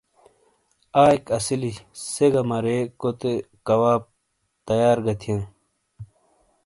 ۔آئیک اسیلی سے گہ مرے کوتے کواب/ کھر کھارو تیار گہ تھیاں۔